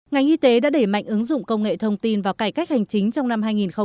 ngành y tế đã đẩy mạnh ứng dụng công nghệ thông tin vào cải cách hành chính trong năm hai nghìn hai mươi